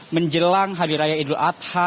menjelang hari raya idul adha